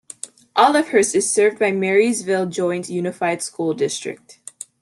Olivehurst is served by Marysville Joint Unified School District.